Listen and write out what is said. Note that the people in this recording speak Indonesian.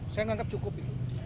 saya menganggap cukup itu